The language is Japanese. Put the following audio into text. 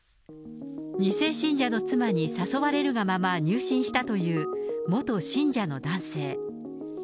２世信者の妻に誘われるがまま入信したという、元信者の男性。